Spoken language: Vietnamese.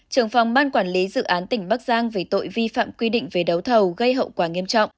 trưởng phòng ban quản lý dự án tỉnh bắc giang về tội vi phạm quy định về đấu thầu gây hậu quả nghiêm trọng